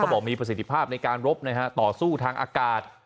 บอกมีประสิทธิภาพในการรบนะฮะต่อสู้ทางอากาศ